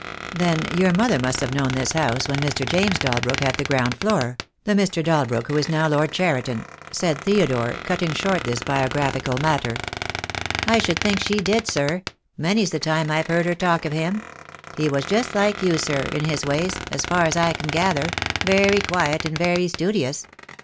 "Then your mother must have known this house when Mr. James Dalbrook had the ground floor — the Mr. Dal brook who is now Lord Cheriton," said Theodore, cutting short this biographical matter. "I should think she did, sir. Many's the time I've heard her talk of him. He was just like you, sir, in his ways, as far as I can gather — very quiet and very studious.